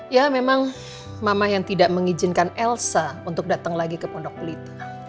ya memang mama yang tidak mengijinkan elsa untuk dateng lagi ke pondok kulit